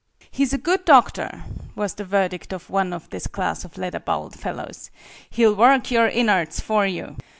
"He's a good doctor," was the verdict of one of this class of leather boweled fellows "he'll work your innards for you!"